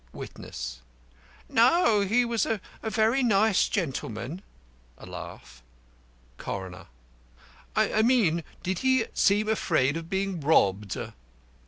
WITNESS: No, he was a very nice gentleman. (A laugh.) CORONER: I mean did he seem afraid of being robbed?